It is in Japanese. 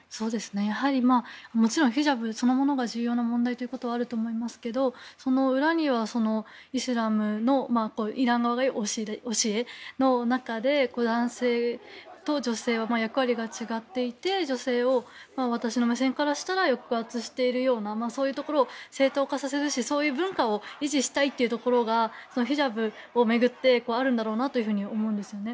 もちろんヒジャブそのものが重要な問題だというのはあると思いますけど、その裏にはイスラムの教えの中で男性と女性は役割が違っていて私の目線からしたら女性を抑圧しているようなそういうところを正当化させるしそういう文化を維持したいというところがヒジャブを巡ってあるんだろうなと思うんですね。